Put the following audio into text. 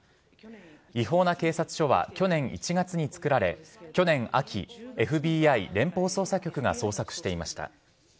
違法な警察署は、去年１月に作られ、去年秋、ＦＢＩ・連邦捜査局が捜索していました。